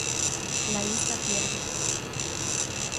La lista pierde.